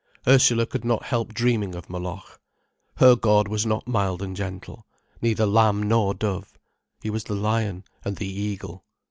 Ursula could not help dreaming of Moloch. Her God was not mild and gentle, neither Lamb nor Dove. He was the lion and the eagle.